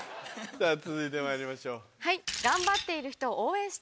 さぁ続いてまいりましょう。